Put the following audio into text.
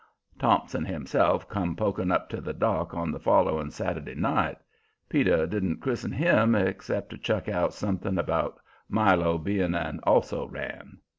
Thompson himself come poking up to the dock on the following Saturday night; Peter didn't christen him, except to chuck out something about Milo's being an "also ran."